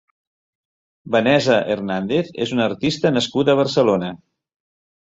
Vanessa Hernández és una artista nascuda a Barcelona.